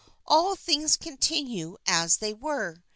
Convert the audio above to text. All things continue as they were.